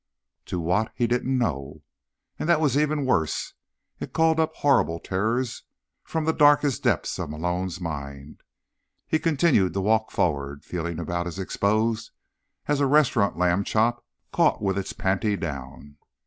To what? He didn't know. And that was even worse; it called up horrible terrors from the darkest depths of Malone's mind. He continued to walk forward, feeling about as exposed as a restaurant lamb chop caught with its panty down.